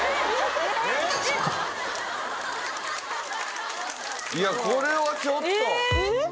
そっかいやこれはちょっと・え！